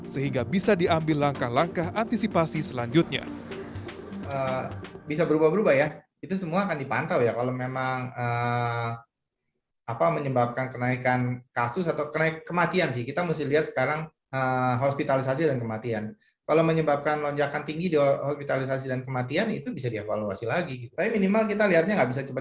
sehingga bisa diambil langkah langkah antisipasi selanjutnya